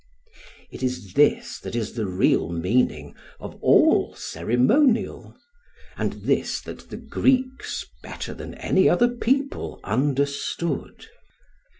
It is this that is the real meaning of all ceremonial, and this that the Greeks better than any other people understood.